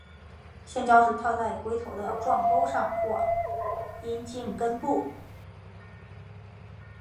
性交时套在龟头的状沟上或阴茎根部。